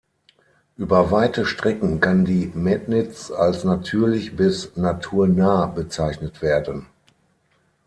Über weite Strecken kann die Metnitz als natürlich bis naturnah bezeichnet werden.